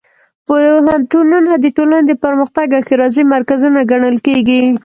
پوهنتونونه د ټولنې د پرمختګ او ښېرازۍ مرکزونه ګڼل کېږي.